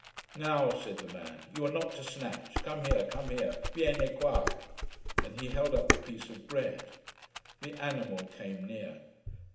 "Now," said the man, "you are not to snatch. Come here. Come here. Vieni qua!" And he held up the piece of bread. The animal came near.